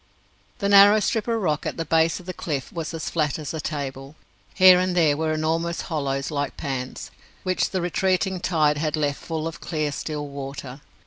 The narrow strip of rock at the base of the cliff was as flat as a table. Here and there were enormous hollows like pans, which the retreating tide had left full of clear, still water.